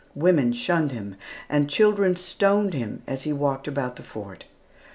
Women shunned him, and children stoned him as he walked about the fort.